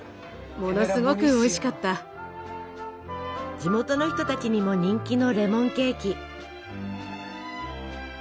地元の人たちにも人気のレモンケーキ。